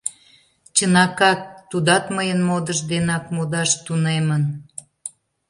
Чынакак, тудат мыйын модыш денак модаш тунемын.